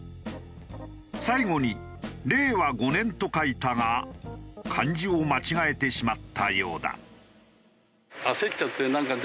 最後に「令和５年」と書いたが漢字を間違えてしまったようだ。